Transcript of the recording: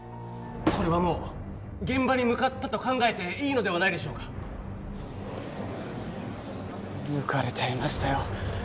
これはもう現場に向かったと考えていいのではないでしょうか抜かれちゃいましたよ